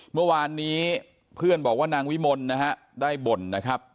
เมื่อวานนี้เพื่อนบอกว่านางวิมลนะฮะได้บ่นนะครับ